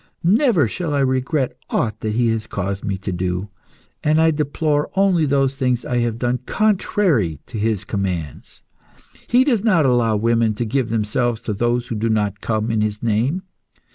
Never shall I regret aught that he has caused me to do, and I deplore only those things I have done contrary to his commands. He does not allow women to give themselves to those who do not come in his name.